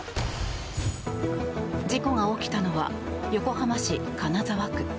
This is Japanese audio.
事故が起きたのは横浜市金沢区。